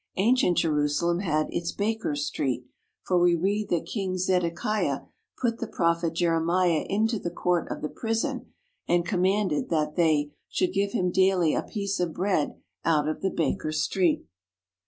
Ancient Jerusalem had its Bakers' Street, for we read that King Zedekiah put the prophet Jeremiah into the court of the prison and commanded that they "should give him daily a piece of bread out of the Bakers' Street."